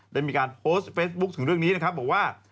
ได้มีการโพสต์เฟซบุ๊คถึงเรื่องนี้นะครับบอกว่า